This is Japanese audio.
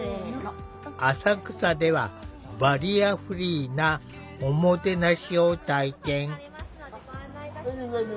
浅草ではバリアフリーな“おもてなし”を体験。